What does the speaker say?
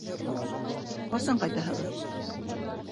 Ҡасан ҡайтаһығыҙ?